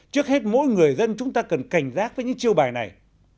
trước hết mỗi người dân chúng ta cần cảnh giác với những chiêu bài này